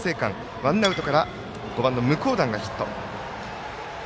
ワンアウトから５番の向段がヒット。